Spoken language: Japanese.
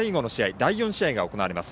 第４試合が行われます。